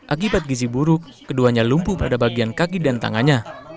akibat gizi buruk keduanya lumpuh pada bagian kaki dan tangannya